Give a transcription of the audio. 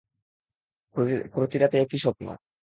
প্রতি রাতে, এই একই স্বপ্ন।